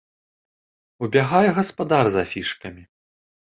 Убягае гаспадар з афішкамі.